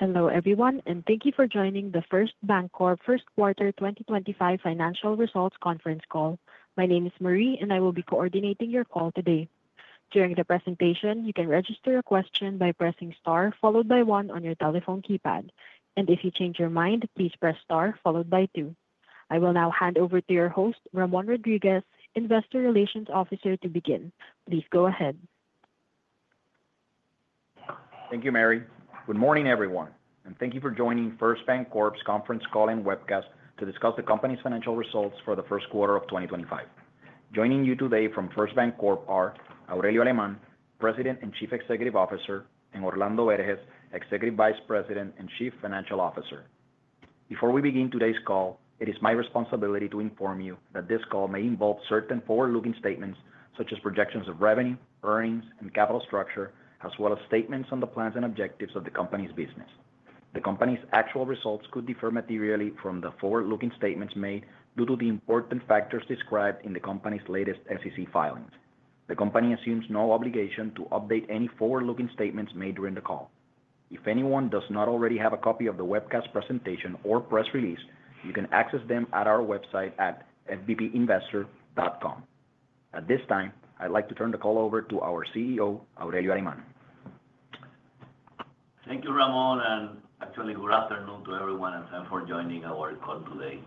Hello, everyone, and thank you for joining the First BanCorp first quarter 2025 financial results conference call. My name is Marie, and I will be coordinating your call today. During the presentation, you can register a question by pressing star followed by one on your telephone keypad, and if you change your mind, please press star followed by two. I will now hand over to your host, Ramón Rodríguez, Investor Relations Officer, to begin. Please go ahead. Thank you, Marie. Good morning, everyone, and thank you for joining First BanCorp's conference call and webcast to discuss the company's financial results for the first quarter of 2025. Joining you today from First BanCorp are Aurelio Alemán, President and Chief Executive Officer, and Orlando Berges, Executive Vice President and Chief Financial Officer. Before we begin today's call, it is my responsibility to inform you that this call may involve certain forward-looking statements such as projections of revenue, earnings, and capital structure, as well as statements on the plans and objectives of the company's business. The company's actual results could differ materially from the forward-looking statements made due to the important factors described in the company's latest SEC filings. The company assumes no obligation to update any forward-looking statements made during the call. If anyone does not already have a copy of the webcast presentation or press release, you can access them at our website at fbpinvestor.com. At this time, I'd like to turn the call over to our CEO, Aurelio Alemán. Thank you, Ramón, and actually, good afternoon to everyone and thanks for joining our call today.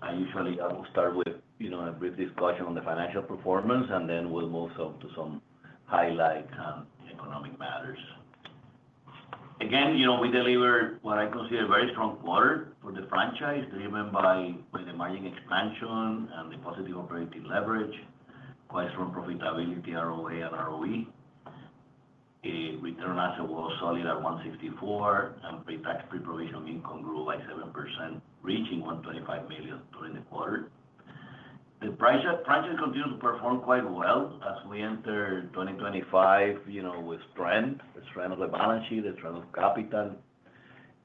I usually, I will start with, you know, a brief discussion on the financial performance, and then we'll move to some highlight and economic matters. Again, you know, we deliver what I consider very strong quarter for the franchise, driven by the margin expansion and the positive operating leverage, quite strong profitability, ROA and ROE. Return asset was solid at 1.64%, and pre-tax pre-provision income grew by 7%, reaching $125 million during the quarter. The franchise continues to perform quite well as we enter 2025, you know, with strength, the strength of the balance sheet, the strength of capital,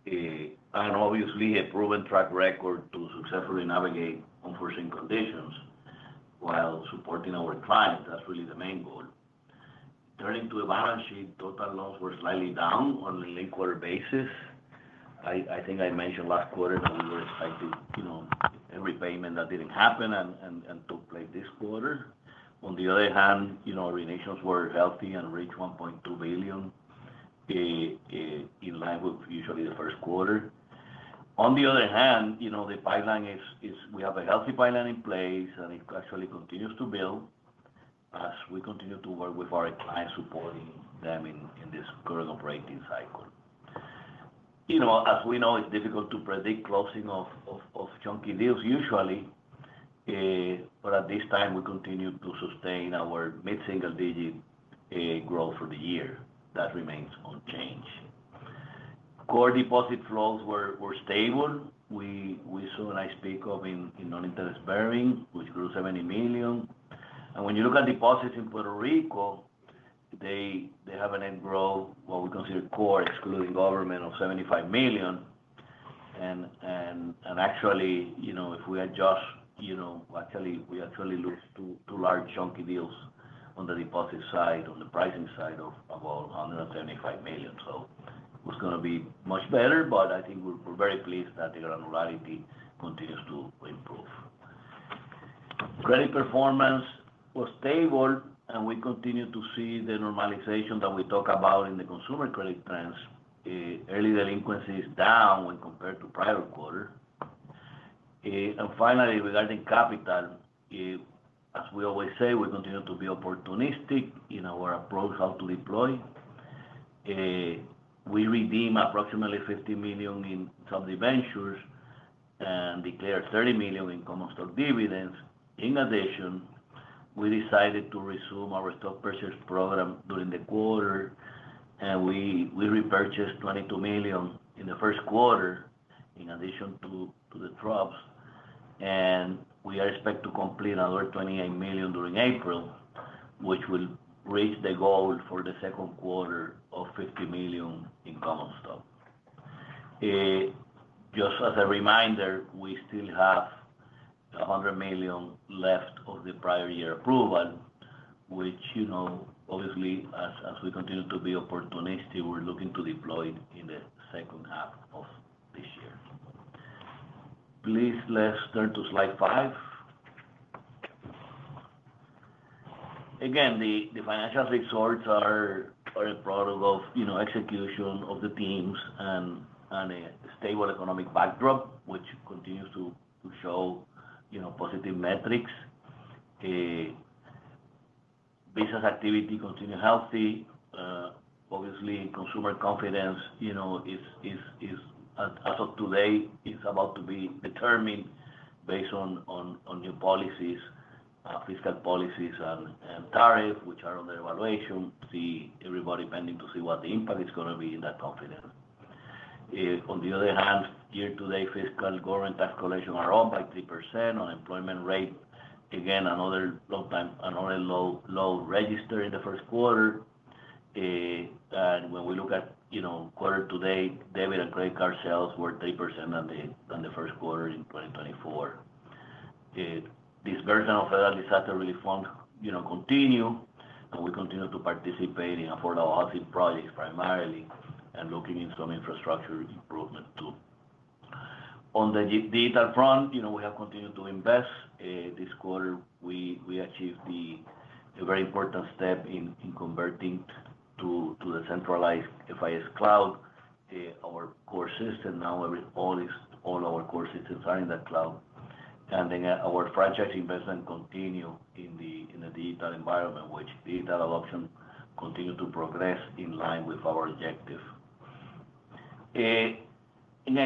and obviously a proven track record to successfully navigate unforeseen conditions while supporting our clients. That's really the main goal. Turning to the balance sheet, total loans were slightly down on a quarter basis. I think I mentioned last quarter that we were expecting, you know, every payment that didn't happen and took place this quarter. On the other hand, you know, renewals were healthy and reached $1.2 billion, in line with usually the first quarter. On the other hand, you know, the pipeline is, is we have a healthy pipeline in place, and it actually continues to build as we continue to work with our clients, supporting them in, in this current operating cycle. You know, as we know, it's difficult to predict closing of, of, of chunky deals usually, but at this time, we continue to sustain our mid-single digit, growth for the year that remains unchanged. Core deposit flows were, were stable. We saw a nice peak of in, in non-interest bearing, which grew $70 million. When you look at deposits in Puerto Rico, they have a net growth, what we consider core, excluding government, of $75 million. Actually, you know, if we adjust, you know, we actually lose two large chunky deals on the deposit side, on the pricing side of all, $175 million. It was gonna be much better, but I think we're very pleased that the granularity continues to improve. Credit performance was stable, and we continue to see the normalization that we talk about in the consumer credit trends. Early delinquencies down when compared to prior quarter. Finally, regarding capital, as we always say, we continue to be opportunistic in our approach how to deploy. We redeemed approximately $15 million in sub-debentures and declared $30 million in common stock dividends. In addition, we decided to resume our stock purchase program during the quarter, and we repurchased $22 million in the first quarter in addition to the [drops]. We are expecting to complete another $28 million during April, which will reach the goal for the second quarter of $50 million in common stock. Just as a reminder, we still have $100 million left of the prior year approval, which, you know, obviously, as we continue to be opportunistic, we're looking to deploy in the second half of this year. Please, let's turn to slide five. Again, the financial results are a product of, you know, execution of the teams and a stable economic backdrop, which continues to show, you know, positive metrics. Business activity continues healthy. Obviously, consumer confidence, you know, is, is, as of today, is about to be determined based on new policies, fiscal policies and tariffs, which are under evaluation. See, everybody's bending to see what the impact is gonna be in that confidence. On the other hand, year-to-date fiscal government tax collections around by 3% unemployment rate. Again, another long-time, another low, low register in the first quarter. And when we look at, you know, quarter-to-date, debit and credit card sales were 3% than the first quarter in 2024. [This version] of federal disaster relief funds, you know, continue, and we continue to participate in affordable housing projects primarily and looking into some infrastructure improvement too. On the digital front, you know, we have continued to invest. This quarter, we achieved the very important step in converting to the centralized FIS cloud, our core system. Now, all our core systems are in that cloud. Our franchise investment continues in the digital environment, which digital adoption continues to progress in line with our objective. Again,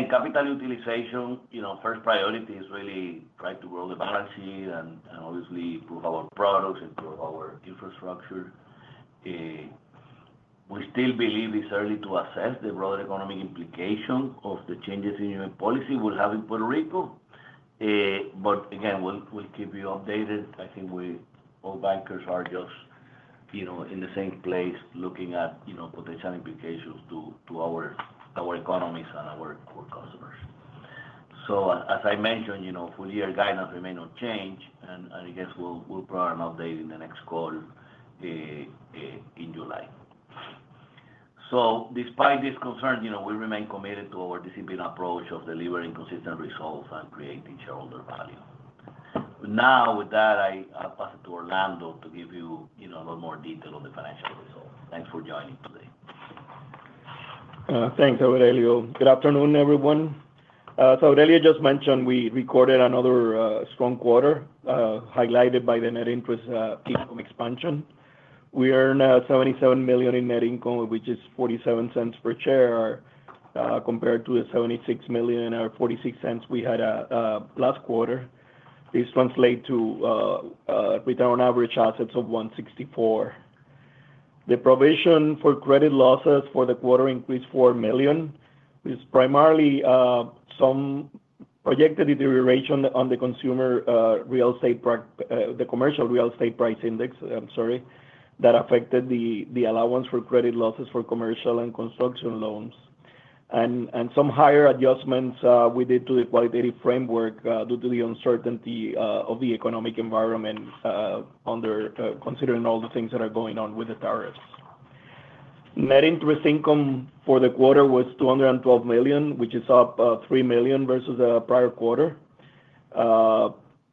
capital utilization, you know, first priority is really trying to grow the balance sheet and obviously improve our products and improve our infrastructure. We still believe it's early to assess the broader economic implications of the changes in monetary policy we'll have in Puerto Rico. Again, we'll keep you updated. I think we all bankers are just, you know, in the same place looking at potential implications to our economies and our customers. As I mentioned, you know, full year guidance remains unchanged, and I guess we'll provide an update in the next quarter, in July. Despite these concerns, you know, we remain committed to our disciplined approach of delivering consistent results and creating shareholder value. Now, with that, I'll pass it to Orlando to give you, you know, a lot more detail on the financial results. Thanks for joining today. Thanks, Aurelio. Good afternoon, everyone. Aurelio just mentioned we recorded another strong quarter, highlighted by the net interest income expansion. We earned $77 million in net income, which is $0.47 per share, compared to the $76 million or $0.46 we had last quarter. This translates to return on average assets of 1.64%. The provision for credit losses for the quarter increased $4 million. It is primarily some projected deterioration on the consumer real estate price, the commercial real estate price index, I'm sorry, that affected the allowance for credit losses for commercial and construction loans. Some higher adjustments we did to the qualitative framework, due to the uncertainty of the economic environment, considering all the things that are going on with the tariffs. Net interest income for the quarter was $212 million, which is up $3 million versus the prior quarter.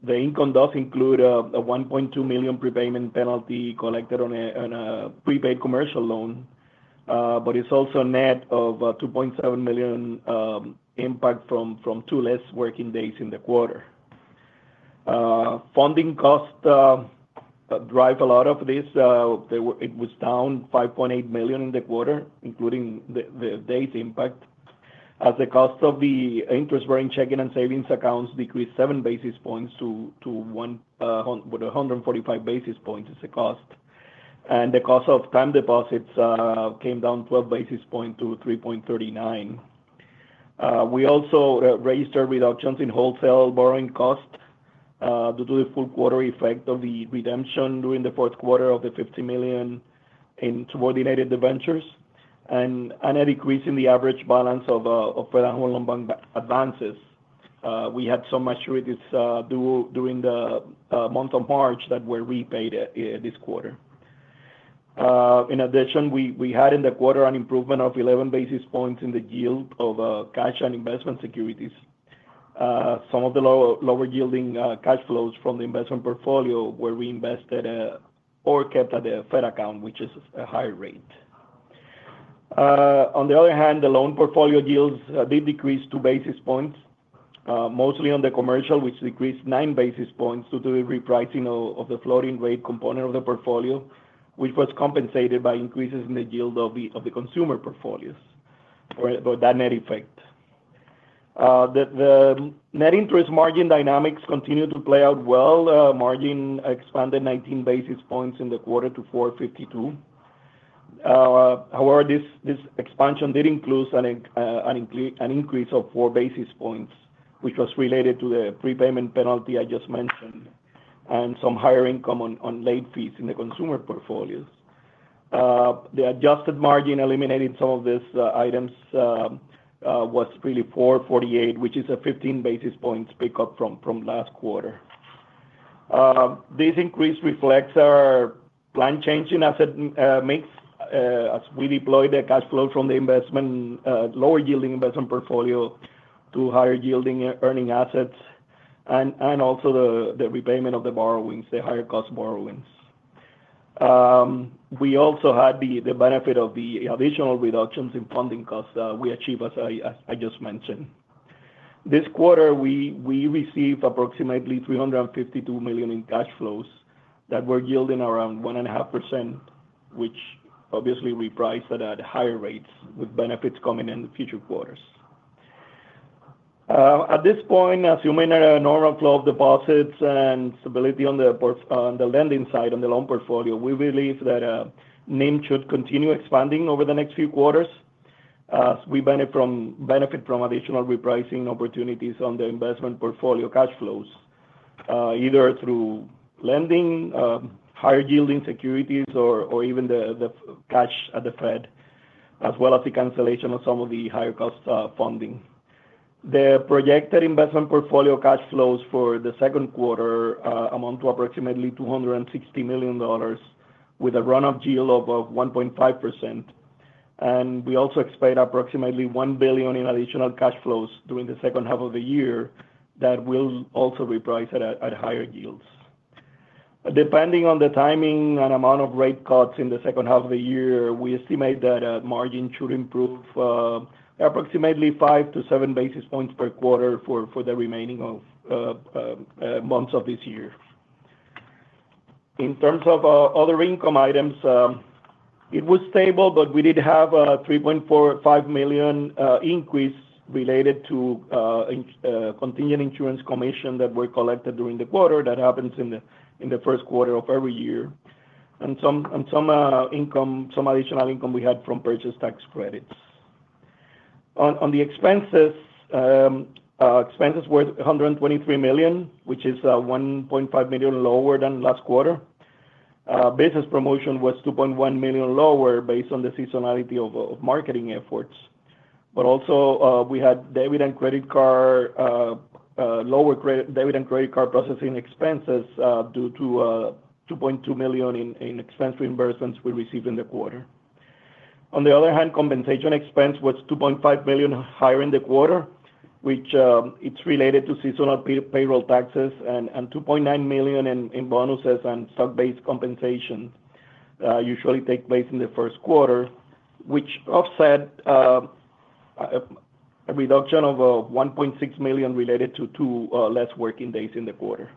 The income does include a $1.2 million prepayment penalty collected on a prepaid commercial loan, but it's also a net of $2.7 million impact from two less working days in the quarter. Funding cost drives a lot of this. It was down $5.8 million in the quarter, including the days impact, as the cost of the interest-bearing checking and savings accounts decreased seven basis points to 1.45%, with 145 basis points as a cost. The cost of time deposits came down 12 basis points to 3.39%. We also registered reductions in wholesale borrowing cost due to the full quarter effect of the redemption during the fourth quarter of the $50 million in subordinated debentures and a decrease in the average balance of Federal Home Loan Bank advances. We had some maturities due during the month of March that were repaid this quarter. In addition, we had in the quarter an improvement of 11 basis points in the yield of cash and investment securities. Some of the lower-yielding cash flows from the investment portfolio were reinvested or kept at the Fed account, which is a higher rate. On the other hand, the loan portfolio yields did decrease two basis points, mostly on the commercial, which decreased nine basis points due to the repricing of the floating rate component of the portfolio, which was compensated by increases in the yield of the consumer portfolios for that net effect. The net interest margin dynamics continued to play out well. Margin expanded 19 basis points in the quarter to 4.52%. However, this expansion did include an increase of four basis points, which was related to the prepayment penalty I just mentioned and some higher income on late fees in the consumer portfolios. The adjusted margin eliminated some of these items, was really 448, which is a 15 basis points pickup from last quarter. This increase reflects our plan changing asset mix, as we deploy the cash flow from the lower-yielding investment portfolio to higher-yielding earning assets and also the repayment of the borrowings, the higher-cost borrowings. We also had the benefit of the additional reductions in funding costs that we achieved, as I just mentioned. This quarter, we received approximately $352 million in cash flows that were yielding around 1.5%, which obviously repriced at higher rates with benefits coming in the future quarters. At this point, assuming a normal flow of deposits and stability on the port, on the lending side, on the loan portfolio, we believe that NIM should continue expanding over the next few quarters as we benefit from additional repricing opportunities on the investment portfolio cash flows, either through lending, higher-yielding securities, or even the cash at the Fed, as well as the cancellation of some of the higher-cost funding. The projected investment portfolio cash flows for the second quarter amount to approximately $260 million with a run-off yield of 1.5%. We also expect approximately $1 billion in additional cash flows during the second half of the year that will also reprice at higher yields. Depending on the timing and amount of rate cuts in the second half of the year, we estimate that margin should improve approximately five to seven basis points per quarter for the remaining months of this year. In terms of other income items, it was stable, but we did have a $3.45 million increase related to contingent insurance commission that were collected during the quarter that happens in the first quarter of every year. And some additional income we had from purchase tax credits. On the expenses, expenses were $123 million, which is $1.5 million lower than last quarter. Business promotion was $2.1 million lower based on the seasonality of marketing efforts. We had debit and credit card, lower debit and credit card processing expenses, due to $2.2 million in expense reimbursements we received in the quarter. On the other hand, compensation expense was $2.5 million higher in the quarter, which is related to seasonal payroll taxes and $2.9 million in bonuses and stock-based compensation, usually take place in the first quarter, which offset a reduction of $1.6 million related to two less working days in the quarter.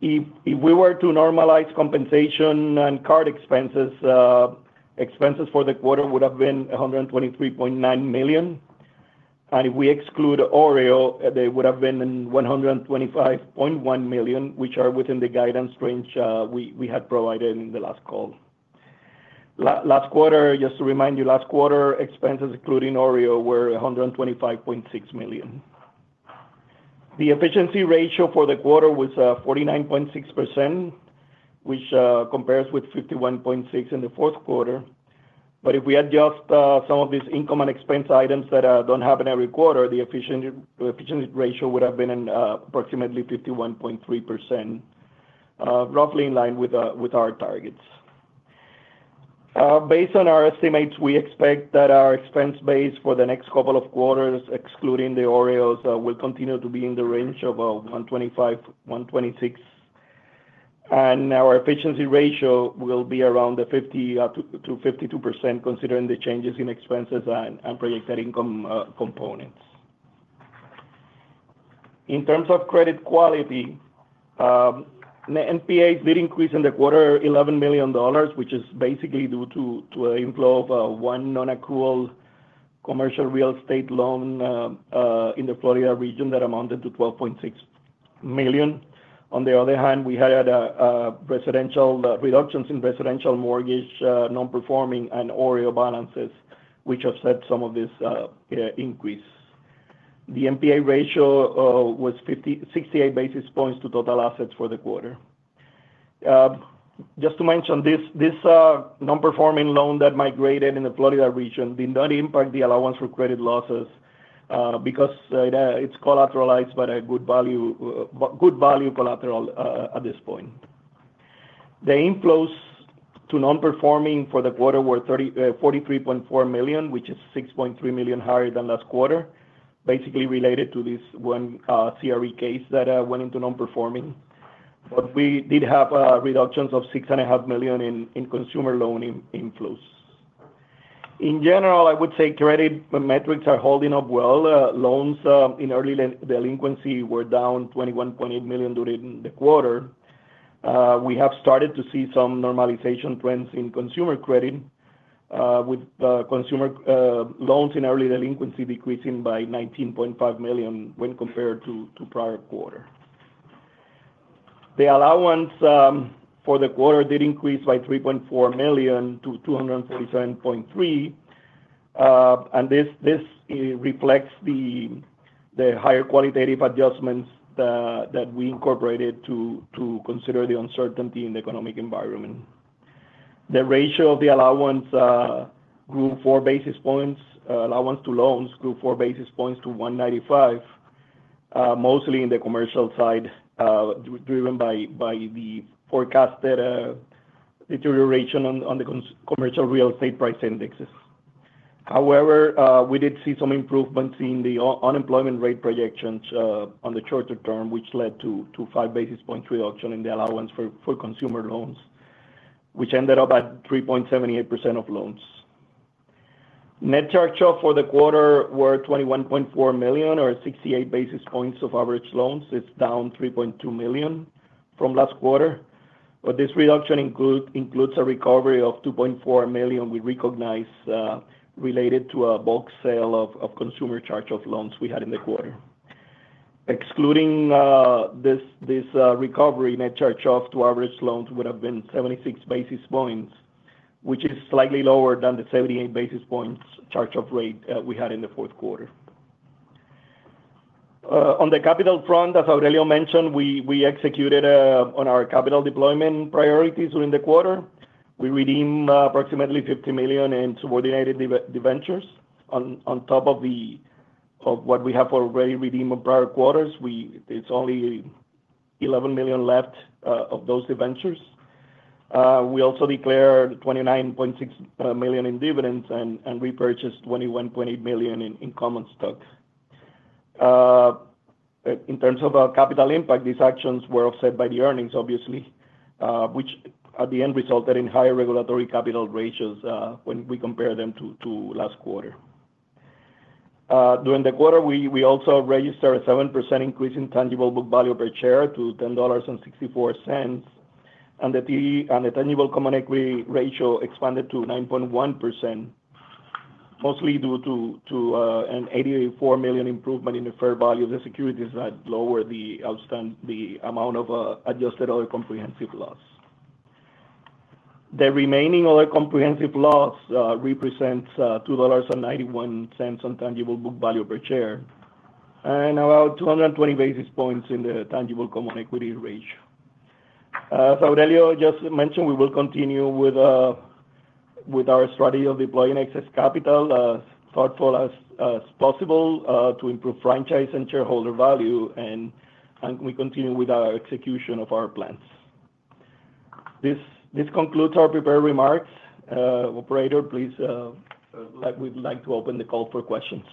If we were to normalize compensation and card expenses, expenses for the quarter would have been $123.9 million. And if we exclude OREO, they would have been $125.1 million, which are within the guidance range we had provided in the last call. Last quarter, just to remind you, last quarter expenses including OREO were $125.6 million. The efficiency ratio for the quarter was 49.6%, which compares with 51.6% in the fourth quarter. If we adjust some of these income and expense items that do not happen every quarter, the efficiency ratio would have been approximately 51.3%, roughly in line with our targets. Based on our estimates, we expect that our expense base for the next couple of quarters, excluding the OREOs, will continue to be in the range of $125 million-$126 million. Our efficiency ratio will be around the 50%-52% range considering the changes in expenses and projected income components. In terms of credit quality, NPAs did increase in the quarter $11 million, which is basically due to an inflow of one non-accrual commercial real estate loan in the Florida region that amounted to $12.6 million. On the other hand, we had reductions in residential mortgage non-performing and OREO balances, which offset some of this increase. The NPA ratio was 68 basis points to total assets for the quarter. Just to mention this, this non-performing loan that migrated in the Florida region did not impact the allowance for credit losses, because it is collateralized by good value collateral at this point. The inflows to non-performing for the quarter were $43.4 million, which is $6.3 million higher than last quarter, basically related to this one CRE case that went into non-performing. We did have reductions of $6.5 million in consumer loan inflows. In general, I would say credit metrics are holding up well. Loans in early delinquency were down $21.8 million during the quarter. We have started to see some normalization trends in consumer credit, with consumer loans in early delinquency decreasing by $19.5 million when compared to prior quarter. The allowance for the quarter did increase by $3.4 million to $247.3 million. This reflects the higher qualitative adjustments that we incorporated to consider the uncertainty in the economic environment. The ratio of the allowance grew four basis points, allowance to loans grew four basis points to 1.95%, mostly in the commercial side, driven by the forecasted deterioration on the commercial real estate price indexes. However, we did see some improvements in the unemployment rate projections on the shorter term, which led to five basis points reduction in the allowance for consumer loans, which ended up at 3.78% of loans. Net charge-off for the quarter were $21.4 million or 68 basis points of average loans. It's down $3.2 million from last quarter. This reduction includes a recovery of $2.4 million we recognized, related to a bulk sale of consumer charge-off loans we had in the quarter. Excluding this recovery, net charge-off to average loans would have been 76 basis points, which is slightly lower than the 78 basis points charge-off rate we had in the fourth quarter. On the capital front, as Aurelio mentioned, we executed on our capital deployment priorities during the quarter. We redeemed approximately $50 million in subordinated debentures on top of what we have already redeemed in prior quarters. There is only $11 million left of those debentures. We also declared $29.6 million in dividends and repurchased $21.8 million in common stock. In terms of capital impact, these actions were offset by the earnings, obviously, which at the end resulted in higher regulatory capital ratios, when we compare them to last quarter. During the quarter, we also registered a 7% increase in tangible book value per share to $10.64, and the tangible common equity ratio expanded to 9.1%, mostly due to an $84 million improvement in the fair value of the securities that lowered the amount of adjusted other comprehensive loss. The remaining other comprehensive loss represents $2.91 on tangible book value per share and about 220 basis points in the tangible common equity ratio. As Aurelio just mentioned, we will continue with our strategy of deploying excess capital, thoughtful as possible, to improve franchise and shareholder value. We continue with our execution of our plans. This concludes our prepared remarks. Operator, please, I would like to open the call for questions.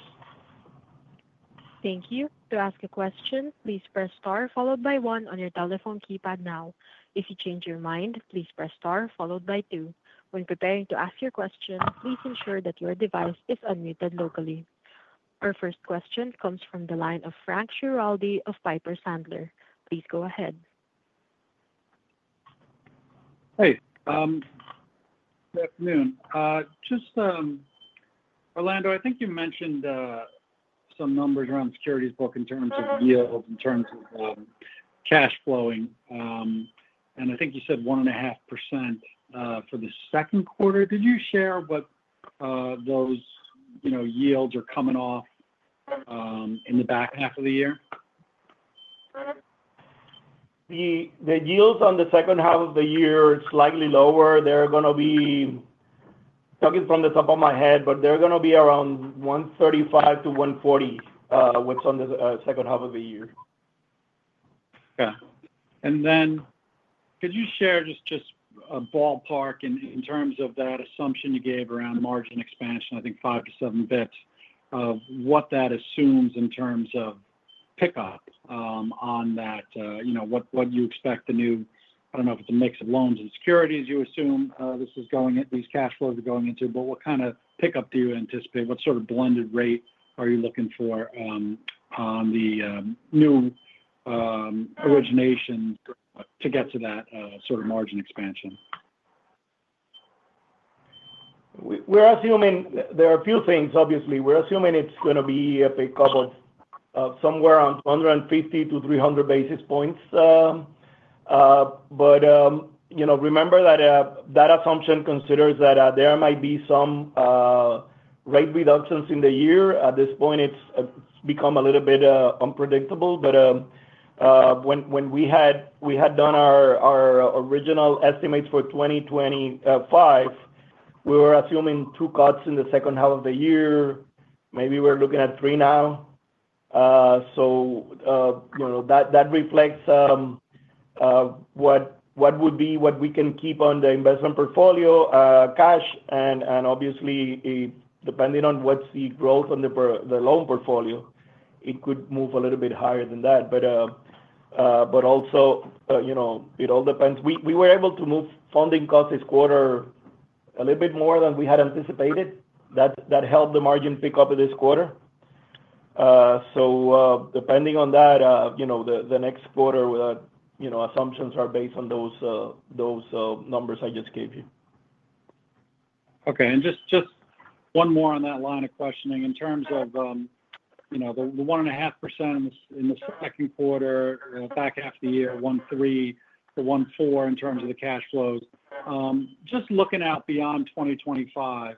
Thank you. To ask a question, please press star followed by one on your telephone keypad now. If you change your mind, please press star followed by two. When preparing to ask your question, please ensure that your device is unmuted locally. Our first question comes from the line of Frank Schiraldi of Piper Sandler. Please go ahead. Hey, good afternoon. Just, Orlando, I think you mentioned some numbers around securities book in terms of yield, in terms of cash flowing. I think you said 1.5% for the second quarter. Did you share what those, you know, yields are coming off in the back half of the year? The yields on the second half of the year are slightly lower. They're gonna be, talking from the top of my head, but they're gonna be around 135-140, what's on the second half of the year. Okay. Could you share just a ballpark in terms of that assumption you gave around margin expansion, I think five to seven basis points, what that assumes in terms of pickup, on that, you know, what you expect the new, I do not know if it is a mix of loans and securities you assume this is going at, these cash flows are going into, but what kind of pickup do you anticipate? What sort of blended rate are you looking for on the new origination to get to that sort of margin expansion? We're assuming there are a few things, obviously. We're assuming it's gonna be a pickup of somewhere around 250 basis points-300 basis points, but, you know, remember that that assumption considers that there might be some rate reductions in the year. At this point, it's become a little bit unpredictable. When we had done our original estimates for 2025, we were assuming two cuts in the second half of the year. Maybe we're looking at three now. You know, that reflects what would be what we can keep on the investment portfolio, cash. And obviously, depending on what's the growth on the loan portfolio, it could move a little bit higher than that. But also, you know, it all depends. We were able to move funding costs this quarter a little bit more than we had anticipated. That helped the margin pickup of this quarter. You know, the next quarter, you know, assumptions are based on those numbers I just gave you. Okay. Just one more on that line of questioning in terms of, you know, the 1.5% in the second quarter, back half the year, 1.3%-1.4% in terms of the cash flows. Just looking out beyond 2025,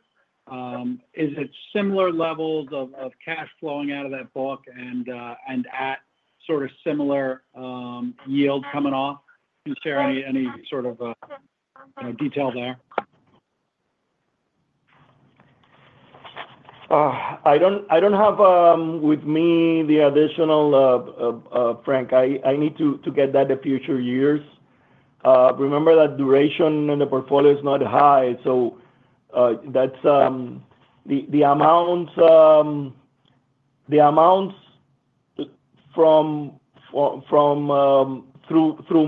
is it similar levels of cash flowing out of that book and at sort of similar yield coming off? Can you share any, any sort of, you know, detail there? I don't have with me the additional, Frank. I need to get that, the future years. Remember that duration in the portfolio is not high. That's the amounts from through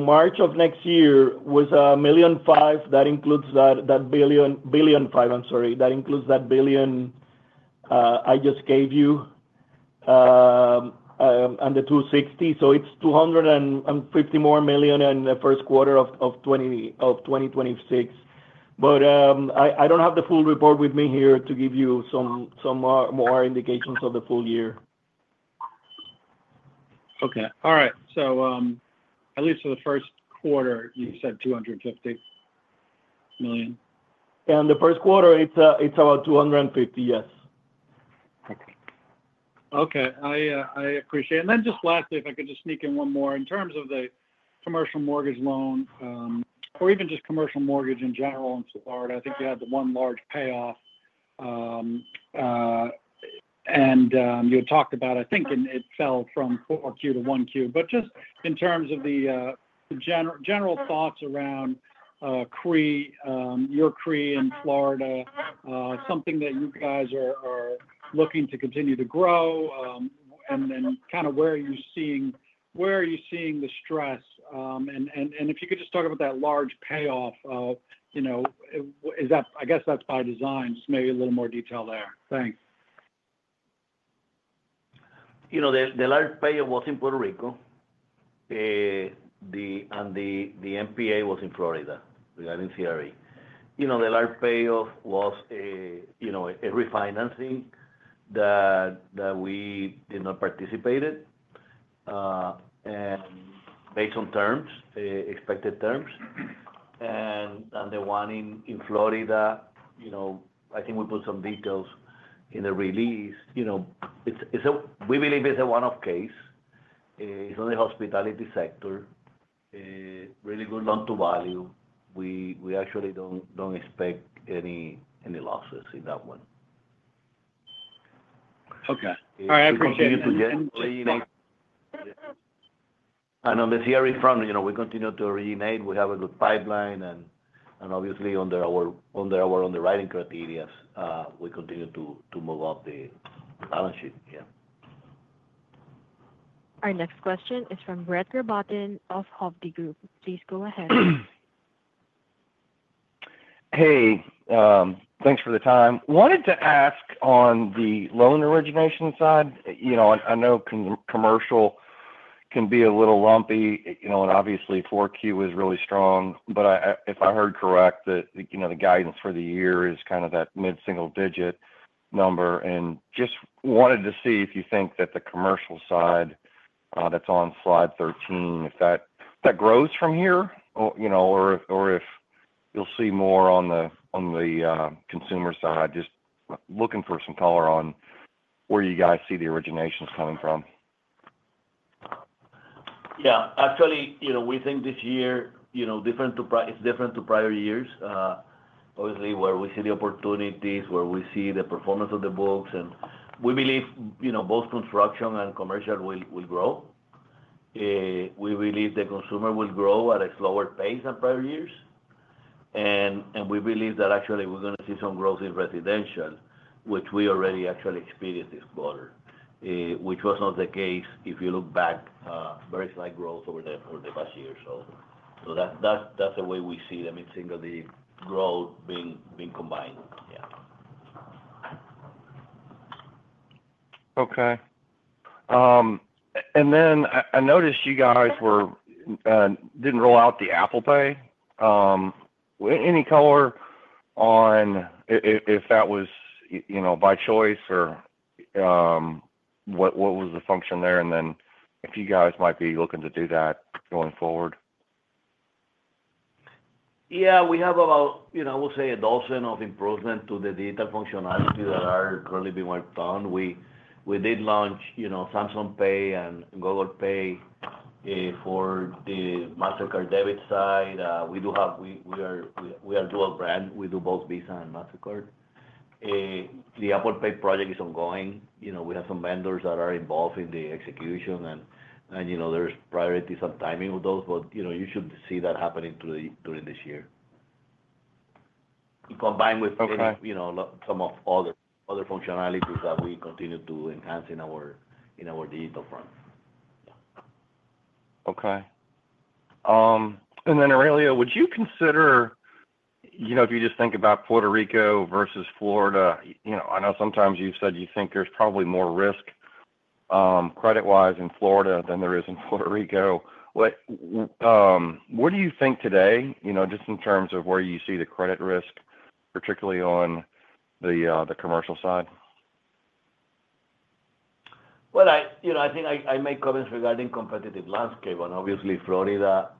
March of next year was $1.5 million. That includes that billion, billion five, I'm sorry. That includes that billion I just gave you, and the $260 million. So it's $250 million more in the first quarter of 2026. I don't have the full report with me here to give you some more indications of the full year. Okay. All right. At least for the first quarter, you said $250 million? The first quarter, it's about $250, yes. Okay. I appreciate it. And then just lastly, if I could just sneak in one more in terms of the commercial mortgage loan, or even just commercial mortgage in general in Florida. I think you had the one large payoff, and you had talked about, I think, and it fell from 4Q to 1Q. Just in terms of the general thoughts around CRE, your CRE in Florida, something that you guys are looking to continue to grow, and then kind of where are you seeing, where are you seeing the stress? And if you could just talk about that large payoff, you know, is that, I guess that's by design. Just maybe a little more detail there. Thanks. You know, the large payoff was in Puerto Rico. The NPA was in Florida regarding CRE. You know, the large payoff was a refinancing that we did not participate in, and based on terms, expected terms. The one in Florida, you know, I think we put some details in the release. You know, it's a, we believe it's a one-off case. It's on the hospitality sector. Really good loan to value. We actually don't expect any losses in that one. Okay. All right. I appreciate it. On the CRE front, you know, we continue to originate. We have a good pipeline. Obviously, under our underwriting criteria, we continue to move up the balance sheet. Yeah. Our next question is from Brett Rabatin of Hovde Group. Please go ahead. Hey, thanks for the time. Wanted to ask on the loan origination side. You know, I know commercial can be a little lumpy. You know, and obviously, 4Q is really strong. If I heard correct, the guidance for the year is kind of that mid-single digit number. Just wanted to see if you think that the commercial side, that's on slide 13, if that grows from here, or if you'll see more on the consumer side. Just looking for some color on where you guys see the originations coming from. Yeah. Actually, you know, we think this year, you know, different to prior, it's different to prior years. Obviously, where we see the opportunities, where we see the performance of the books. And we believe, you know, both construction and commercial will, will grow. We believe the consumer will grow at a slower pace than prior years. And we believe that actually we're gonna see some growth in residential, which we already actually experienced this quarter, which was not the case if you look back, very slight growth over the, over the past year. So, that's, that's the way we see the mid-single digit growth being, being combined. Yeah. Okay. I noticed you guys were, didn't roll out the Apple Pay. Any color on if that was, you know, by choice or what was the function there? If you guys might be looking to do that going forward. Yeah. We have about, you know, I would say a dozen of improvements to the digital functionality that are currently being worked on. We did launch, you know, Samsung Pay and Google Pay, for the Mastercard debit side. We do have, we are, we are dual brand. We do both Visa and Mastercard. The Apple Pay project is ongoing. You know, we have some vendors that are involved in the execution. You know, there's priorities on timing with those. You know, you should see that happening through the, during this year combined with, you know, some of other, other functionalities that we continue to enhance in our, in our digital front. Okay. And then Aurelio, would you consider, you know, if you just think about Puerto Rico versus Florida, you know, I know sometimes you've said you think there's probably more risk, credit-wise in Florida than there is in Puerto Rico. What do you think today, you know, just in terms of where you see the credit risk, particularly on the commercial side? I think I make comments regarding competitive landscape. Obviously, Florida,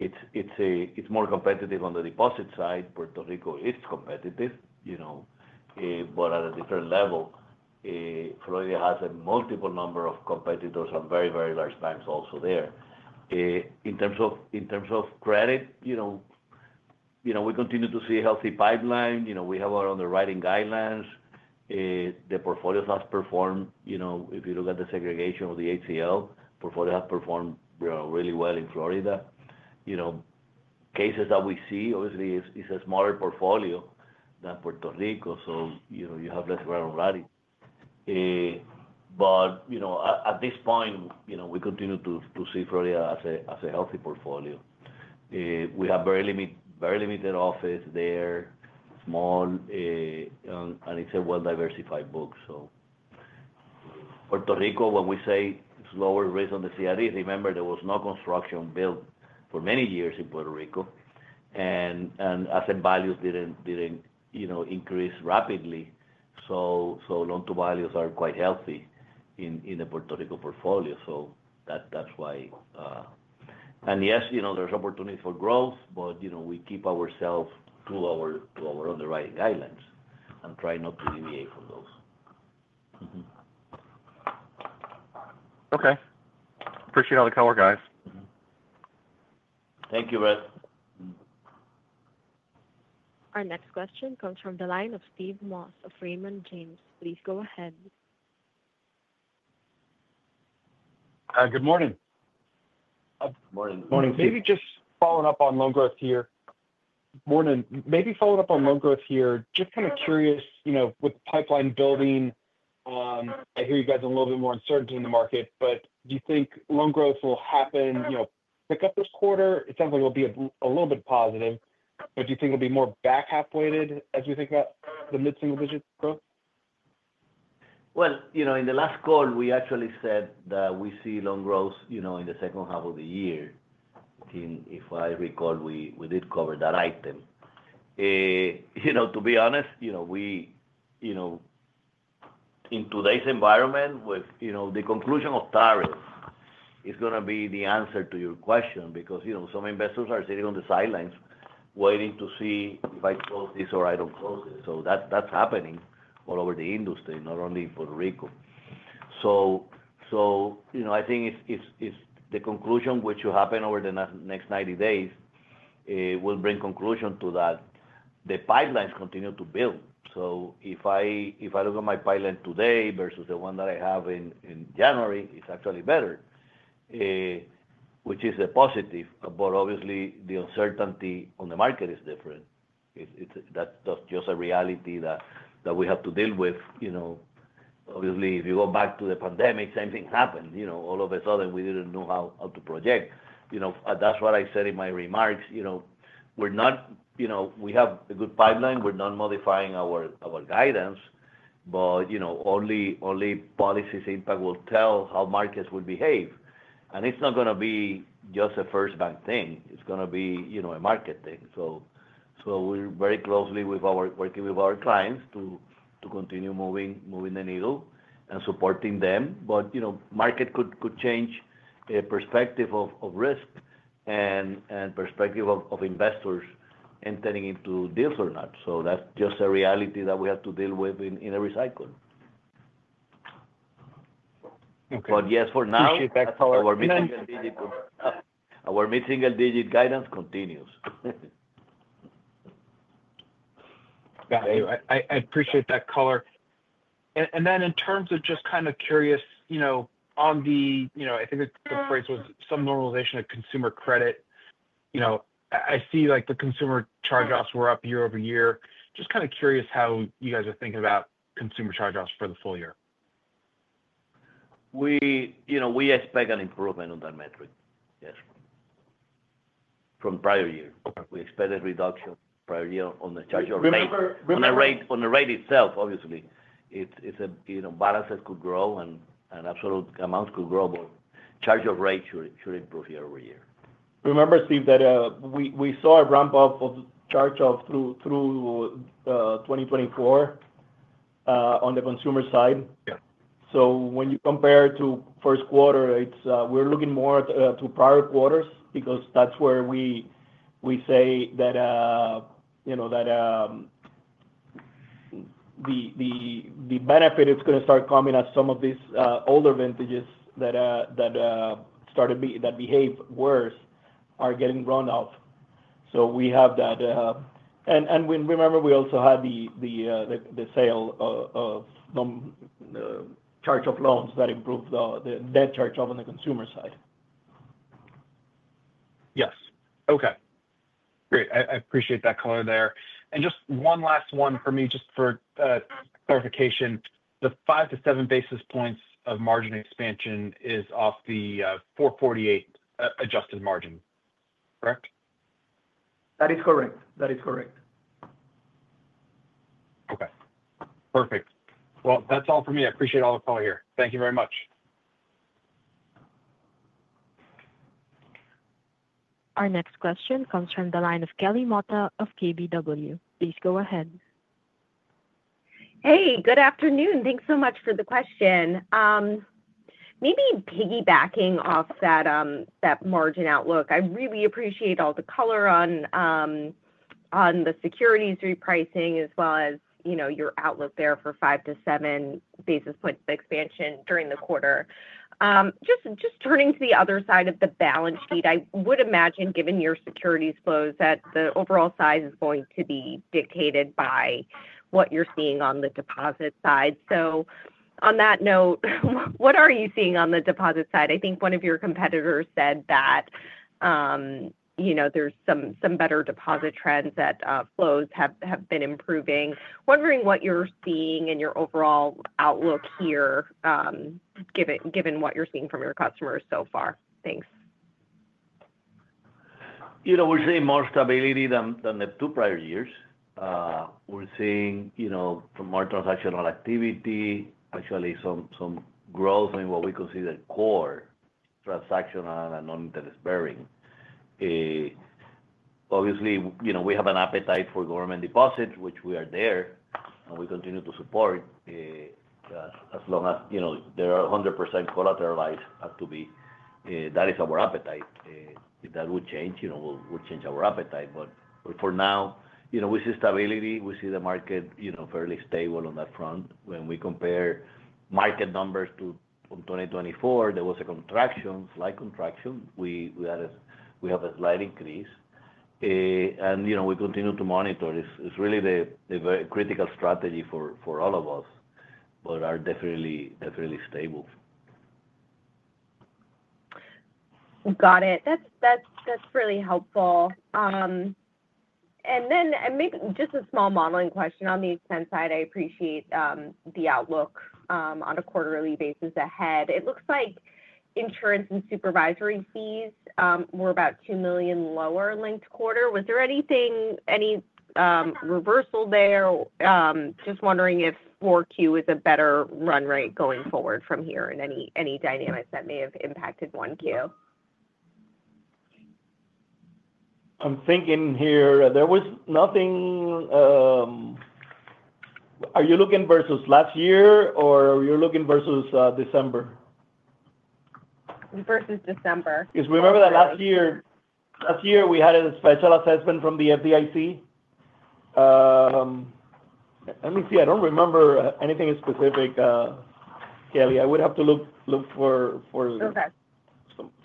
it's more competitive on the deposit side. Puerto Rico is competitive, you know, but at a different level. Florida has a multiple number of competitors and very, very large banks also there. In terms of credit, you know, we continue to see a healthy pipeline. You know, we have our underwriting guidelines. The portfolios have performed, you know, if you look at the segregation of the ACL, portfolio have performed really well in Florida. You know, cases that we see, obviously, is a smaller portfolio than Puerto Rico. You have less ground running. At this point, you know, we continue to see Florida as a healthy portfolio. We have very limited office there, small, and it's a well-diversified book. Puerto Rico, when we say slower rates on the CRE, remember there was no construction built for many years in Puerto Rico. Asset values did not, you know, increase rapidly. Loan to values are quite healthy in the Puerto Rico portfolio. That is why, and yes, you know, there is opportunity for growth, but, you know, we keep ourselves to our underwriting guidelines and try not to deviate from those. Okay. Appreciate all the color, guys. Thank you, Brett. Our next question comes from the line of Steve Moss of Raymond James. Please go ahead. Good morning. Good morning. Morning, Steve. Maybe just following up on loan growth here. Morning. Maybe following up on loan growth here, just kind of curious, you know, with pipeline building, I hear you guys are a little bit more uncertain in the market, but do you think loan growth will happen, you know, pick up this quarter? It sounds like it'll be a little bit positive. Do you think it'll be more back half-weighted as we think about the mid-single digit growth? In the last call, we actually said that we see loan growth, you know, in the second half of the year. I think if I recall, we did cover that item. You know, to be honest, you know, in today's environment with the conclusion of tariffs is gonna be the answer to your question because, you know, some investors are sitting on the sidelines waiting to see if I close this or I don't close it. That is happening all over the industry, not only in Puerto Rico. I think it is the conclusion which will happen over the next 90 days, will bring conclusion to that. The pipelines continue to build. If I look at my pipeline today versus the one that I have in January, it's actually better, which is a positive. Obviously, the uncertainty on the market is different. That's just a reality that we have to deal with. You know, obviously, if you go back to the pandemic, same thing happened. All of a sudden, we didn't know how to project. You know, that's what I said in my remarks. You know, we're not, you know, we have a good pipeline. We're not modifying our guidance. You know, only policy's impact will tell how markets will behave. It's not gonna be just a First Bank thing. It's gonna be a market thing. We're very closely working with our clients to continue moving the needle and supporting them. You know, market could change a perspective of risk and perspective of investors entering into deals or not. That's just a reality that we have to deal with in every cycle. Okay. Yes, for now. Appreciate that color. Our mid-single digit guidance continues. Got you. I appreciate that color. And then in terms of just kind of curious, you know, on the, you know, I think the phrase was some normalization of consumer credit. You know, I see like the consumer charge-offs were up year-over-year. Just kind of curious how you guys are thinking about consumer charge-offs for the full year. We, you know, we expect an improvement on that metric. Yes. From prior year. Okay. We expected reduction prior year on the charge-off rate. Remember, remember. On the rate, on the rate itself, obviously, it's, you know, balances could grow and absolute amounts could grow. But charge-off rate should, should improve year-over-year. Remember, Steve, that we saw a ramp-up of charge-off through 2024 on the consumer side. Yeah. When you compare to first quarter, we're looking more to prior quarters because that's where we say that, you know, the benefit is gonna start coming as some of these older vintages that started to behave worse are getting run off. We have that, and we remember we also had the sale of charge-off loans that improved the net charge-off on the consumer side. Yes. Okay. Great. I appreciate that color there. Just one last one for me, just for clarification. The five to seven basis points of margin expansion is off the 448 adjusted margin. Correct? That is correct. That is correct. Okay. Perfect. That is all for me. I appreciate all the call here. Thank you very much. Our next question comes from the line of Kelly Motta of KBW. Please go ahead. Hey, good afternoon. Thanks so much for the question. Maybe piggybacking off that, that margin outlook, I really appreciate all the color on, on the securities repricing as well as, you know, your outlook there for five to seven basis points of expansion during the quarter. Just turning to the other side of the balance sheet, I would imagine given your securities flows that the overall size is going to be dictated by what you're seeing on the deposit side. On that note, what are you seeing on the deposit side? I think one of your competitors said that, you know, there's some, some better deposit trends that, flows have, have been improving. Wondering what you're seeing in your overall outlook here, given, given what you're seeing from your customers so far. Thanks. You know, we're seeing more stability than the two prior years. We're seeing, you know, some more transactional activity, actually some growth in what we consider core transactional and non-interest bearing. Obviously, you know, we have an appetite for government deposits, which we are there, and we continue to support, as long as, you know, they are 100% collateralized, have to be. That is our appetite. If that would change, you know, we'll change our appetite. For now, you know, we see stability. We see the market, you know, fairly stable on that front. When we compare market numbers to 2024, there was a contraction, slight contraction. We had a, we have a slight increase. You know, we continue to monitor. It's really the very critical strategy for all of us, but are definitely, definitely stable. Got it. That's really helpful. And then, maybe just a small modeling question on the expense side. I appreciate the outlook on a quarterly basis ahead. It looks like insurance and supervisory fees were about $2 million lower linked quarter. Was there anything, any reversal there? Just wondering if 4Q is a better run rate going forward from here and any dynamics that may have impacted 1Q. I'm thinking here, there was nothing, are you looking versus last year or are you looking versus December? Versus December. Because remember that last year, last year we had a special assessment from the FDIC. Let me see. I do not remember anything specific, Kelly. I would have to look for, for. Okay.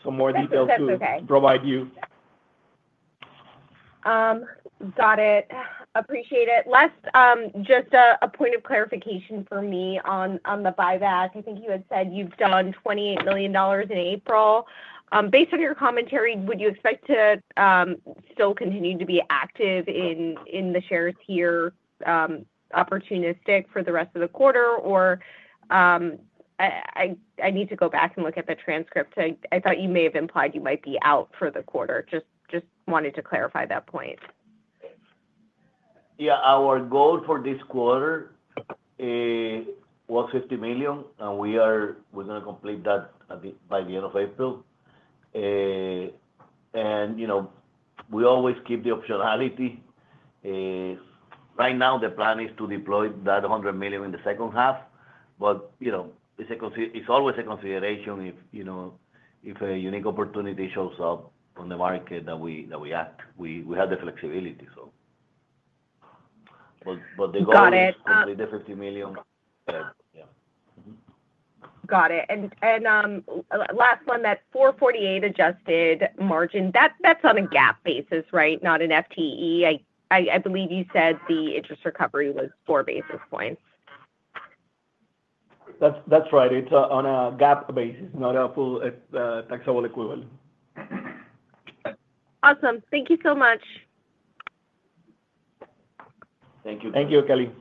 Some more details to. That's okay. Provide you. Got it. Appreciate it. Last, just a point of clarification for me on the buyback. I think you had said you've done $28 million in April. Based on your commentary, would you expect to still continue to be active in the shares here, opportunistic for the rest of the quarter? I need to go back and look at the transcript. I thought you may have implied you might be out for the quarter. Just wanted to clarify that point. Yeah. Our goal for this quarter was $50 million, and we are, we're gonna complete that at the, by the end of April. And, you know, we always keep the optionality. Right now the plan is to deploy that $100 million in the second half. But, you know, it's a consi, it's always a consideration if, you know, if a unique opportunity shows up on the market that we, that we act, we, we have the flexibility. So. But the goal is to complete the $50 million. Got it. Yeah. Got it. And last one, that 448 adjusted margin, that's on a GAAP basis, right? Not an FTE. I believe you said the interest recovery was four basis points. That's right. It's on a GAAP basis, not a full, taxable equivalent. Awesome. Thank you so much. Thank you. Thank you, Kelly.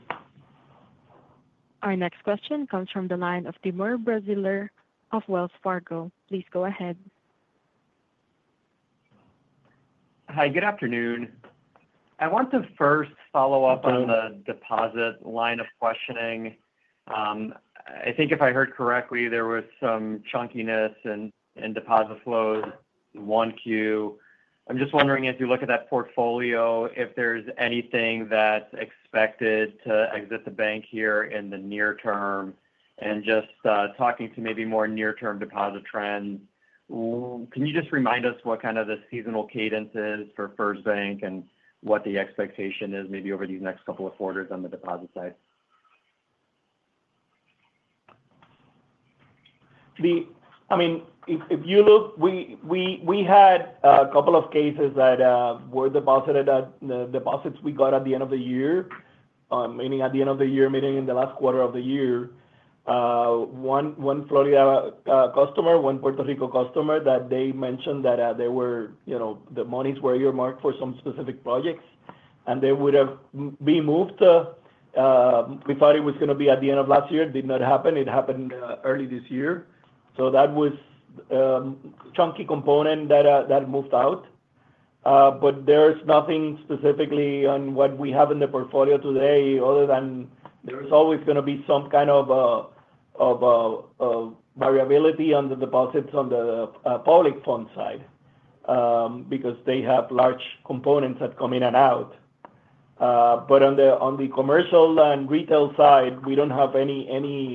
Our next question comes from the line of Timur Braziler of Wells Fargo. Please go ahead. Hi, good afternoon. I want to first follow up on the deposit line of questioning. I think if I heard correctly, there was some chunkiness in deposit flows 1Q. I'm just wondering if you look at that portfolio, if there's anything that's expected to exit the bank here in the near term. Just talking to maybe more near-term deposit trends, can you just remind us what kind of the seasonal cadence is for First Bank and what the expectation is maybe over these next couple of quarters on the deposit side? I mean, if you look, we had a couple of cases that were deposited at the deposits we got at the end of the year, meaning at the end of the year, meaning in the last quarter of the year. One Florida customer, one Puerto Rico customer that they mentioned that they were, you know, the monies were earmarked for some specific projects, and they would have been moved to, we thought it was gonna be at the end of last year. Did not happen. It happened early this year. That was a chunky component that moved out. There is nothing specifically on what we have in the portfolio today other than there is always gonna be some kind of variability on the deposits on the public fund side, because they have large components that come in and out. On the commercial and retail side, we don't have any,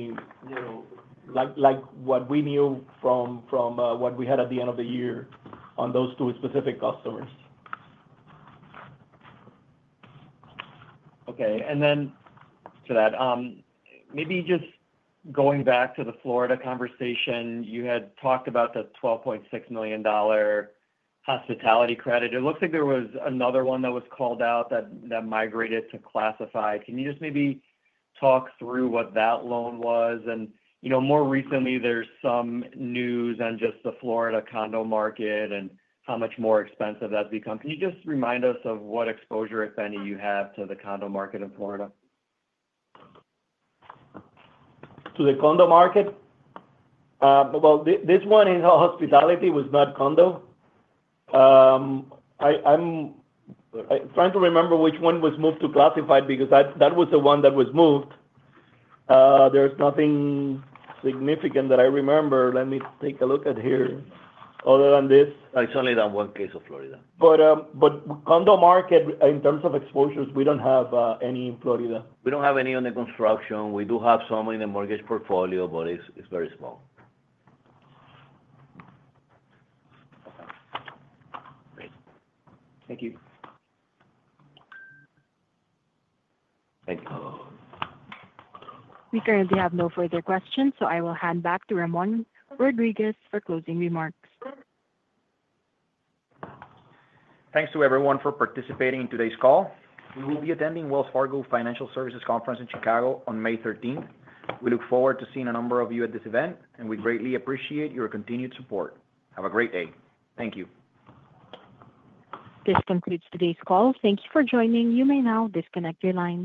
you know, like what we knew from what we had at the end of the year on those two specific customers. Okay. To that, maybe just going back to the Florida conversation, you had talked about the $12.6 million hospitality credit. It looks like there was another one that was called out that migrated to classified. Can you just maybe talk through what that loan was? You know, more recently there's some news on just the Florida condo market and how much more expensive that's become. Can you just remind us of what exposure, if any, you have to the condo market in Florida? To the condo market? This one in hospitality was not condo. I'm trying to remember which one was moved to classified because that was the one that was moved. There's nothing significant that I remember. Let me take a look at here other than this. It's only that one case of Florida. Condo market in terms of exposures, we don't have any in Florida. We don't have any on the construction. We do have some in the mortgage portfolio, but it's very small. Great. Thank you. Thank you. We currently have no further questions, so I will hand back to Ramón Rodríguez for closing remarks. Thanks to everyone for participating in today's call. We will be attending the Wells Fargo financial services conference in Chicago on May 13th. We look forward to seeing a number of you at this event, and we greatly appreciate your continued support. Have a great day. Thank you. This concludes today's call. Thank you for joining. You may now disconnect your lines.